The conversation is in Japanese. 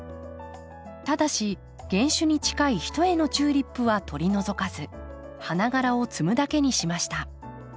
ただし原種に近い一重のチューリップは取り除かず花がらを摘むだけにしました。